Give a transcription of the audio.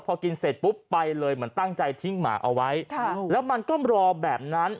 พอกินเสร็จปุ๊บไปเลยเหมือนตั้งใจทิ้งหมาเอาไว้แล้วมันก็รอแบบนั้น